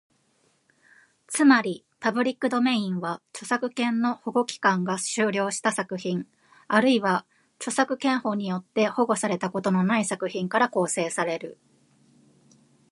つまり、パブリックドメインは、著作権の保護期間が終了した作品、あるいは著作権法によって保護されたことのない作品から構成される。